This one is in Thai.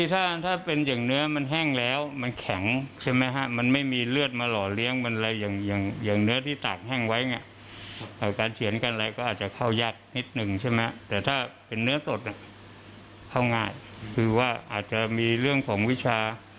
แต่ถ้าเป็นเนื้อสดนะเอาง่ายคือว่าอาจจะมีเรื่องของวิชา